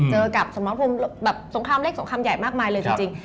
เจอกับสงครามเล็กสงครามใหญ่มากมายเลยจริง